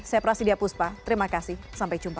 saya prasidya puspa terima kasih sampai jumpa